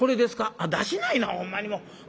「あっ出しないなほんまにもう。